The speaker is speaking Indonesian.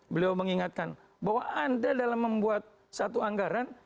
beliau mengingatkan bahwa anda dalam membuat satu anggaran